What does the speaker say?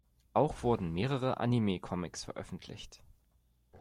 Auch wurden mehrere Anime-Comics veröffentlicht.